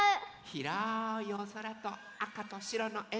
ひろいおそらとあかとしろのえんとつ。